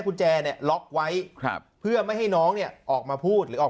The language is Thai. กุญแจเนี่ยล็อกไว้ครับเพื่อไม่ให้น้องเนี่ยออกมาพูดหรือออก